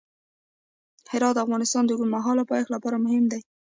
هرات د افغانستان د اوږدمهاله پایښت لپاره مهم دی.